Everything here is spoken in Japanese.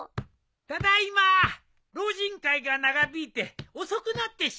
ただいま老人会が長引いて遅くなってしもうた。